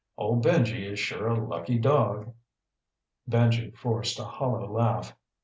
Old Benji is sure a lucky dog." Benji forced a hollow laugh.